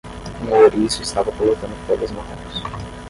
Um ouriço estava coletando folhas marrons.